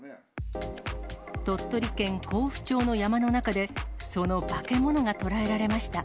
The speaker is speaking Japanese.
鳥取県江府町の山の中で、その化け物が捉えられました。